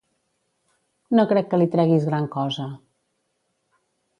No crec que li treguis gran cosa.